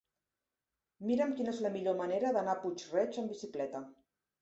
Mira'm quina és la millor manera d'anar a Puig-reig amb bicicleta.